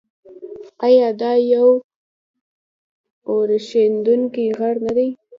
آیا دا یو اورښیندونکی غر نه دی؟